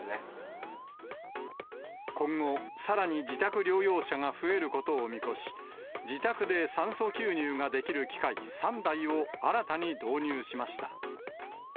今後、さらに自宅療養者が増えることを見越し、自宅で酸素吸入ができる機械３台を新たに導入しました。